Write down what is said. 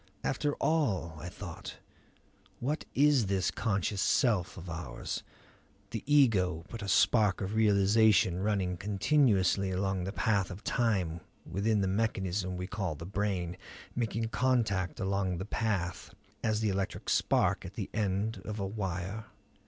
After all, I thought, what is this conscious self of ours, the ego, but a spark of realization running continuously along the path of time within the mechanism we call the brain; making contact along that path as the electric spark at the end of a wire?